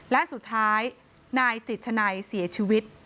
และสุดท้ายนายจิตชนัยเสียชีวิต